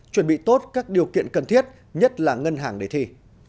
chuẩn bị tốt các điều kiện cần thiết nhất là ngân hàng đề thi